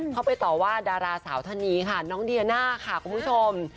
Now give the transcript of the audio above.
เข้าไปต่อว่าดาราสาวธนีย์ค่ะน้องเดียน่าค่ะคุณผู้ชม